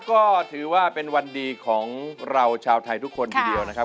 ก็ถือว่าเป็นวันดีของเราชาวไทยทุกคนทีเดียวนะครับ